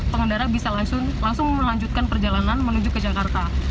pengendara bisa langsung melanjutkan perjalanan menuju ke jakarta